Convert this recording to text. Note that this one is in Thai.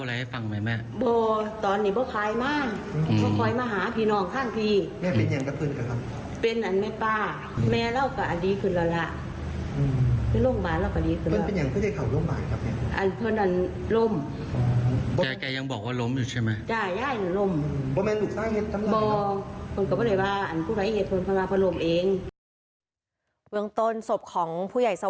ซึ่งครอบครัวบอกมันเป็นการสูญเสียที่ยิ่งใหญ่